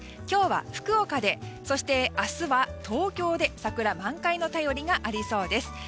今日は福岡でそして明日は東京で桜満開の便りがありそうです。